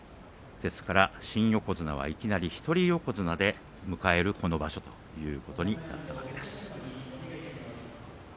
ですから新横綱はいきなり一人横綱で迎えるこの場所ということになったわけです。